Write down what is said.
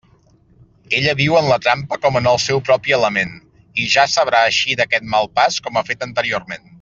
Ella viu en la trampa com en el seu propi element, i ja sabrà eixir d'aquest mal pas com ha fet anteriorment.